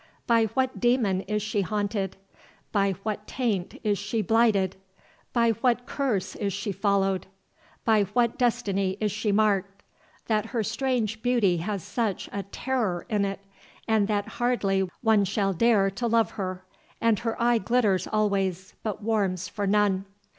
by what demon is she haunted, by what taint is she blighted, by what curse is she followed, by what destiny is she marked, that her strange beauty has such a terror in it, and that hardly one shall dare to love her, and her eye glitters always, but warms for none?